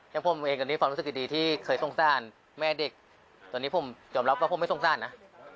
อย่างผมเองตอนนี้ความรู้สึกดีที่เคยสงสารแม่เด็กตอนนี้ผมยอมรับว่าผมไม่สงสารนะ